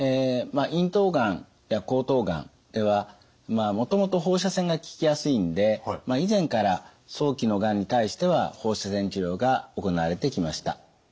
咽頭がんや喉頭がんではもともと放射線が効きやすいんで以前から早期のがんに対しては放射線治療が行われてきました。